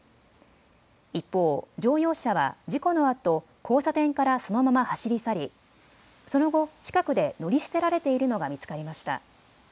一方、乗用車は事故のあと交差点からそのまま走り去りその後、近くで乗り捨てられているのが見つかりました。